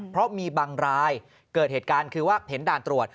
เพราะมีบางรายเกิดเหตุการณ์คือว่าเห็นด่านตรวจ